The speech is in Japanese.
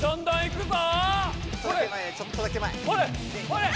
ほれ！